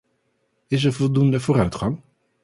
Is er voldoende vooruitgang?